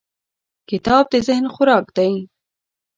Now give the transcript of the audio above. کتاب د ذهن خوراک دی.